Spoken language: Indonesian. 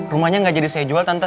rumahnya gak jadi saya jual tante